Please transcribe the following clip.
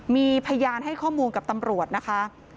มีพยานให้ข้อมูลกับตำรวจนะคะ